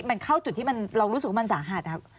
มันเข้าจุดที่เรารู้สึกว่ามันสาหัส